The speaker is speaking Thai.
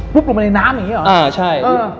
ปุ๊บลงไปในน้ำอย่างงี้หรอ